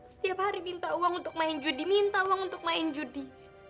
setiap hari minta uang untuk main judi minta uang untuk main judi